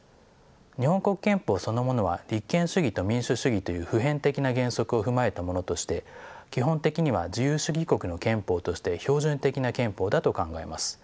日本国憲法そのものは立憲主義と民主主義という普遍的な原則を踏まえたものとして基本的には自由主義国の憲法として標準的な憲法だと考えます。